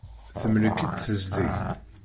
Temlek-itt tezdeg.